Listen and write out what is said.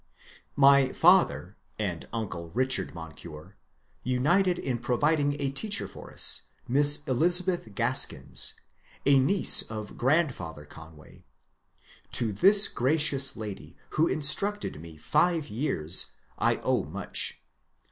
My father and uncle Richard Moncure united in providing a teacher for us, — Miss Elizabeth Gaskins (originally Gras coigne), a niece of grandfather Conway. To this gracious lady, who instructed me five years, I owe much.